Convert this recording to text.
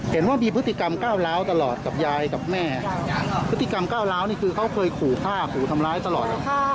เห็นว่ามีพฤติกรรมก้าวร้าวตลอดกับยายกับแม่พฤติกรรมก้าวร้าวนี่คือเขาเคยขู่ฆ่าขู่ทำร้ายตลอด